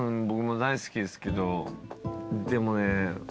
僕も大好きですけどでもね